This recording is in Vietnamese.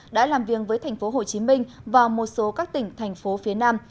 đã làm viêng với tp hcm và một số các tỉnh thành phố phía nam